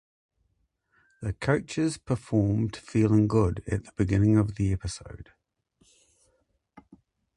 The coaches performed "Feeling Good" at the beginning of the episode.